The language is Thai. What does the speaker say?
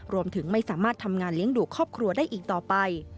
รวมถึงไม่สามารถทำงานเลี้ยงดูครอบครัวได้อีกต่อไป